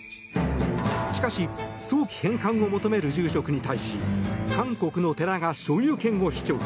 しかし、早期返還を求める住職に対し韓国の寺が所有権を主張。